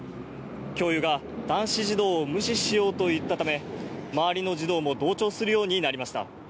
教諭が、男子児童を無視しようと言ったため、周りの児童も同調するようになりました。